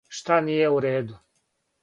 Шта није у реду?